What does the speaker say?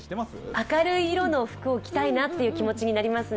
明るい色の服を着たいなっていう気持ちになりますね。